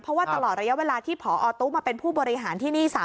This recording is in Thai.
เพราะว่าตลอดระยะเวลาที่พอตุ๊มาเป็นผู้บริหารที่นี่